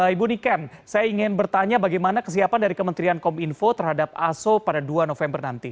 ibu niken saya ingin bertanya bagaimana kesiapan dari kementerian kominfo terhadap aso pada dua november nanti